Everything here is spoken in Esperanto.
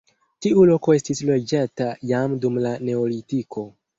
Tiu loko estis loĝata jam dum la neolitiko.